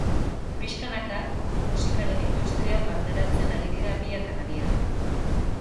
Pixkanaka musikaren industrian barneratzen ari dira biak ala biak.